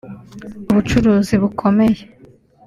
ubucuruzi bukomeye